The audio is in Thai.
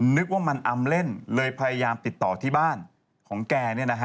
นึกว่ามันอำเล่นเลยพยายามติดต่อที่บ้านของแก